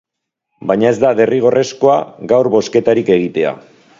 Baina ez da derrigorrezkoa gaur bozketarik egitea.